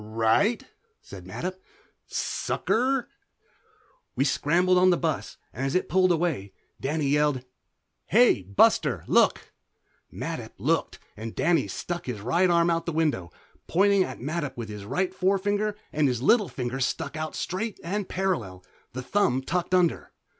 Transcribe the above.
"Right," said Mattup. "Sucker." We scrambled on the bus and as it pulled away Danny yelled "Hey, Buster, look!" Mattup looked, and Danny stuck his right arm out the window, pointing at Mattup with his right forefinger and his little finger stuck out straight and parallel, the thumb tucked under.